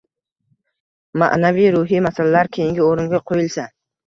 ma’naviy-ruhiy masalalar keyingi o‘ringa qo‘yilsa